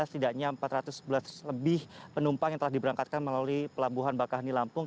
setidaknya empat ratus sebelas lebih penumpang yang telah diberangkatkan melalui pelabuhan bakahi lampung